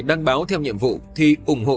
đăng báo theo nhiệm vụ thì ủng hộ